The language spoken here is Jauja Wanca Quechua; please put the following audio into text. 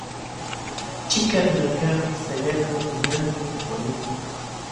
Chikarwaykaqmi sallqaćhu wiñanpis wayunpis.